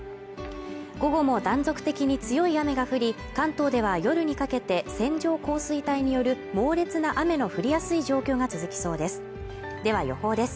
午後も断続的に強い雨が降り関東では夜にかけて線状降水帯による猛烈な雨の降りやすい状況が続きそうですでは予報です